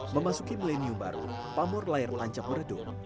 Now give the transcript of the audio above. memasuki milenium baru pamur layar tancap meredup